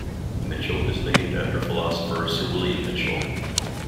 Mitchell is named after philosopher Sir William Mitchell.